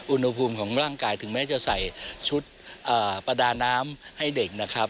อุณหภูมิของร่างกายถึงแม้จะใส่ชุดประดาน้ำให้เด็กนะครับ